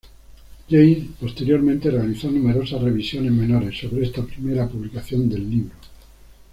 James posteriormente realizó numerosas revisiones menores sobre esta primera publicación del libro.